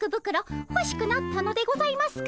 ほしくなったのでございますか？